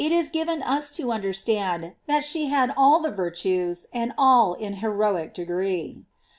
is given us to understand that she had all the virtues, and all in the heroic degree.